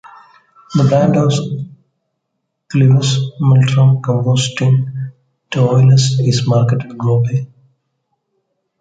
The brand of Clivus Multrum composting toilets is marketed globally.